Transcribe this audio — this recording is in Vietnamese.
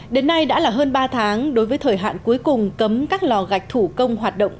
đến nay đã là hơn ba tháng đối với thời hạn cuối cùng cấm các lò gạch thủ công hoạt động